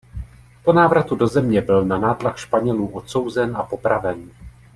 Po návratu do země byl na nátlak Španělů odsouzen a popraven.